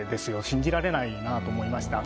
信じられないなと思いました。